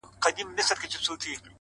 • سندرغاړي نڅاگاني او سازونه,